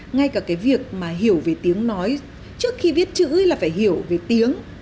ngay cả cái việc mà hiểu về tiếng nói trước khi viết chữ là phải hiểu về tiếng